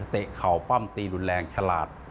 เข่าปั้มตีรุนแรงฉลาด